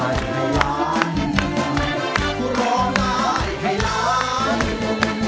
ร่วมเจ้าในคำที่สองวันนี้รับราวรุงวืนบ้อ